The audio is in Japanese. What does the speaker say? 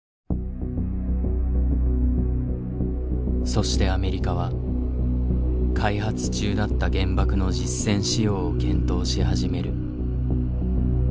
そしてアメリカは開発中だった原爆の実戦使用を検討し始める。